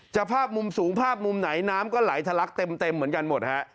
ภาพมุมสูงภาพมุมไหนน้ำก็ไหลทะลักเต็มเหมือนกันหมดฮะ